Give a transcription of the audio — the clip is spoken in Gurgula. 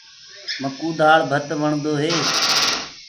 مڪوُ دآݪ ڀت وڻدو هي۔